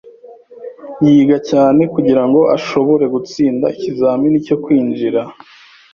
Yiga cyane kugirango ashobore gutsinda ikizamini cyo kwinjira.